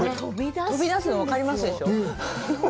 飛び出すの分かりますでしょう？